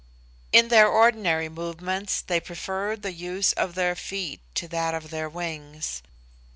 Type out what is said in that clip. In their ordinary movements they prefer the use of their feet to that of their wings.